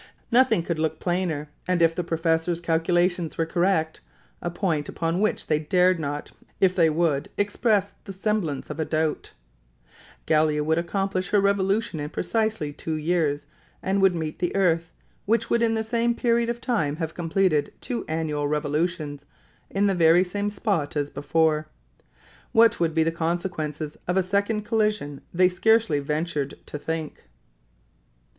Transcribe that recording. Nothing could look plainer, and if the professor's calculations were correct (a point upon which they dared not, if they would, express the semblance of a doubt), Gallia would accomplish her revolution in precisely two years, and would meet the earth, which would in the same period of time have completed two annual revolutions, in the very same spot as before. What would be the consequences of a second collision they scarcely ventured to think.